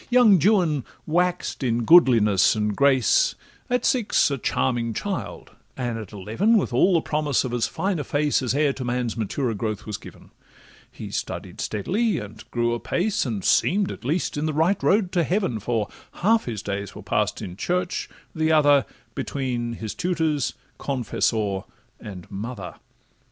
Young Juan wax'd in goodliness and grace; At six a charming child, and at eleven With all the promise of as fine a face As e'er to man's maturer growth was given: He studied steadily, and grew apace, And seem'd, at least, in the right road to heaven, For half his days were pass'd at church, the other Between his tutors, confessor, and mother.